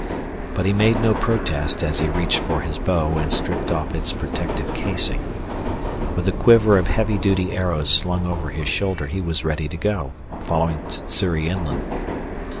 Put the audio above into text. But he made no protest as he reached for his bow and stripped off its protective casing. With the quiver of heavy duty arrows slung across his shoulder he was ready to go, following Sssuri inland.